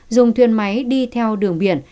dùng thuyền máy đi theo đường biển